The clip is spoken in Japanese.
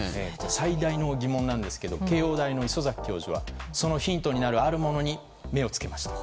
最大の疑問なんですが慶応大の礒崎教授はそのヒントになるあるものに目を付けました。